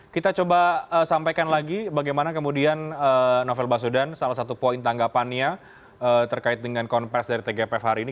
kita coba sampaikan lagi bagaimana kemudian novel baswedan salah satu poin tanggapannya terkait dengan konferensi dari tgpf hari ini